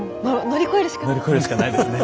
乗り越えるしかないですね。